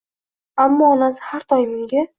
Ammo onasi har doim unga